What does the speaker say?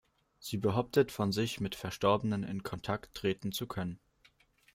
Sie behauptet von sich, mit Verstorbenen in Kontakt treten zu können.